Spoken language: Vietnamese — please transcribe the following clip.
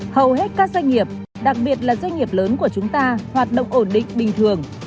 hầu hết các doanh nghiệp đặc biệt là doanh nghiệp lớn của chúng ta hoạt động ổn định bình thường